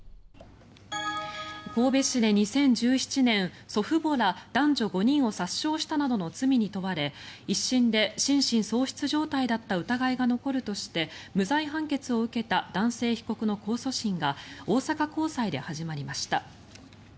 神戸市で２０１７年祖父母ら男女５人を殺傷したなどの罪に問われ１審で心神喪失状態だった疑いが残るとして無罪判決を受けた男性被告の控訴審が大阪高裁で始まりました。